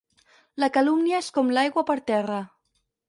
La calúmnia és com l'aigua per terra.